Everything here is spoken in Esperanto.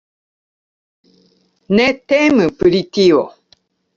Ne temu pri tio.